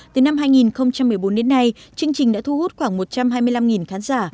từ năm hai nghìn một mươi bốn đến nay chương trình đã thu hút khoảng một trăm hai mươi năm khán giả